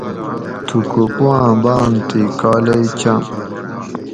تھُکو پواٞں باٞم تھی کالئ چاٞں